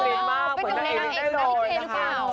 เป็นกำลังเอ็งกับพี่เกหรือเปล่า